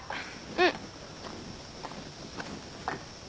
うん。